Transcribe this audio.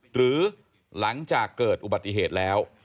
หรือหลังจากเกิดอุบัติเหตุแล้ว